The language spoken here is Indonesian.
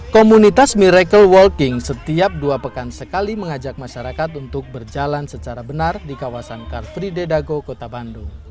komunitas miracle walking setiap dua pekan sekali mengajak masyarakat untuk berjalan secara benar di kawasan karfri dedago kota bandung